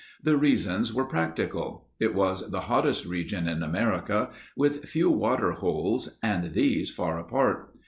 The reasons were practical. It was the hottest region in America, with few water holes and these far apart.